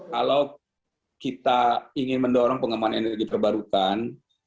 kalau kita ingin mendorong pengembangan energi terbarukan